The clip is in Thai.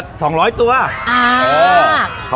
สวัสดีครับสวัสดีครับ